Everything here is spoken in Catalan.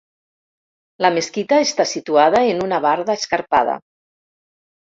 La mesquita està situada en una barda escarpada.